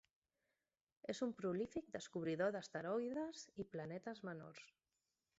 És un prolífic descobridor d'asteroides i planetes menors.